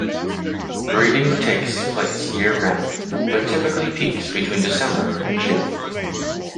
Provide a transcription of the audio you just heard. Breeding takes place year-round, but typically peaks between December and June.